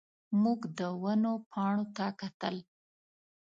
موږ د ونو پاڼو ته کتل.